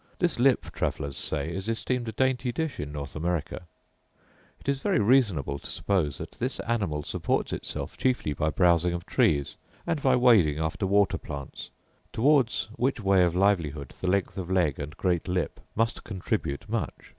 This lip, travellers say, is esteemed a dainty dish in North America. It is very reasonable to suppose that this creature supports itself chiefly by browsing of trees, and by wading after water plants; towards which way of livelihood the length of leg and great lip must contribute much.